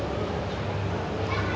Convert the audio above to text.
mahanya aja bakal berbisik